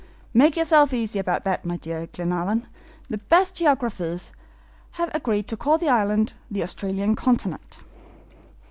"Make yourself easy about that, my dear Glenarvan; the best geographers have agreed to call the island the Australian Continent."